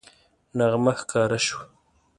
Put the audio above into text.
نغمه ښکاره شوه